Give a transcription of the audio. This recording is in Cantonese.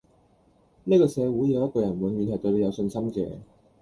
呢個社會有一個人永遠係對你有信心嘅